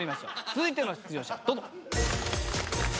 続いての出場者どうぞ。